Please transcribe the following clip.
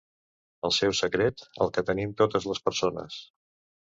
El seu secret, el que tenim totes les persones...